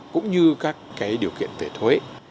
cũng như các cái điều kiện về thuế